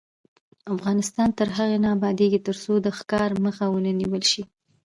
افغانستان تر هغو نه ابادیږي، ترڅو د ښکار مخه ونیول نشي.